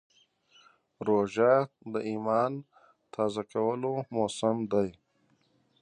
روژه د ایمان تازه کولو موسم دی.